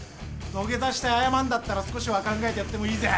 土下座して謝んだったら少しは考えてやってもいいぜ。